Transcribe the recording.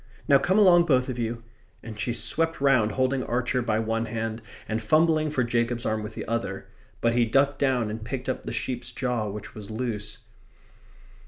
Now come along both of you," and she swept round, holding Archer by one hand and fumbling for Jacob's arm with the other. But he ducked down and picked up the sheep's jaw, which was loose.